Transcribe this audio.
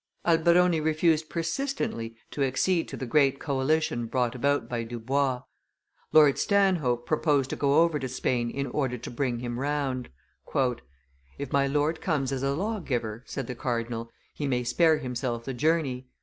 Alberoni refused persistently to accede to the great coalition brought about by Dubois. Lord Stanhope proposed to go over to Spain in order to bring him round. "If my lord comes as a lawgiver," said the cardinal, "he may spare himself the journey.